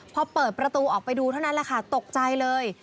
พอเปิดประตูออกไปดูเท่านั้นแหละค่ะตกใจเลย